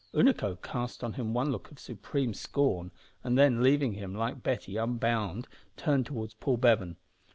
Unaco cast on him one look of supreme scorn, and then, leaving him, like Betty, unbound, turned towards Paul Bevan.